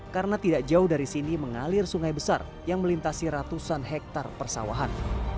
karena tidak jauh dari sini mengalir sungai besar yang melintasi ratusan hektar persawahan